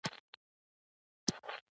په علومو کې خپلې ګټې همغه دي.